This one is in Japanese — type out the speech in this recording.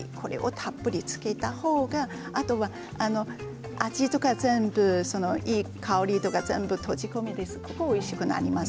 たっぷりつけたほうがあとは味とか全部いい香りとか全部閉じ込めておいしくなります。